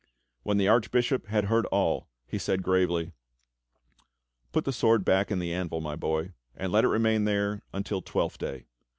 When the Archbishop had heard all, he said gravely: "Put the sword back into the anvil, my boy, and let it remain there until Twelfth Day.